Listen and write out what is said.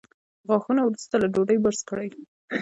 غاښونه وروسته له ډوډۍ برس کړئ